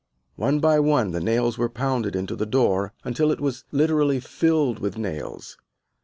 One by one the nails were pounded into the door, until it was literally filled with nails.